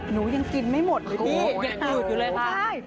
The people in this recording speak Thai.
หนูยังกินไม่หมดเลยพี่